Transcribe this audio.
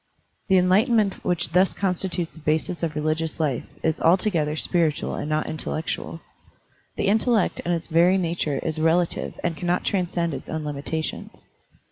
The enlightenment which thus constitutes the basis of the religious life is altogether spiritual and not intellectual. The intellect in its very nature is relative and cannot transcend its own limita tions.